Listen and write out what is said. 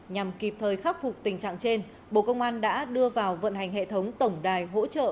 nhằm kịp thời khắc phục tình trạng trên bộ công an đã đưa vào vận hành hệ thống tổng đài hỗ trợ